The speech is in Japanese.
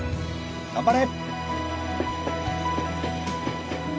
頑張れ！